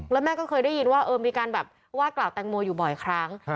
แล้วแม่ก็เคยได้ยินว่ามีการแบบว่ากล่าวแตงโมอยู่บ่อยครั้ง